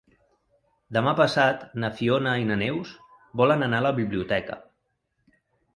Demà passat na Fiona i na Neus volen anar a la biblioteca.